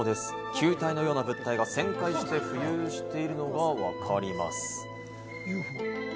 球体のような物体が旋回して浮遊しているのがわかります。